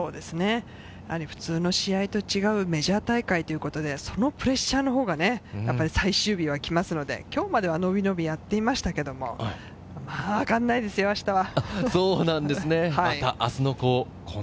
そうですね、普通の試合とは違うメジャー大会っていうことで、そのプレッシャーのほうが最終日は来ますので、今日までは伸び伸びやっていましたけれど、わからないですよ、明日は。